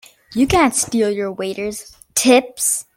You can't steal your waiters' tips!